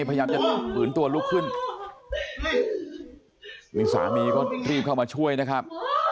พยายามจะฝืนตัวลุกขึ้นนี่สามีก็รีบเข้ามาช่วยนะครับ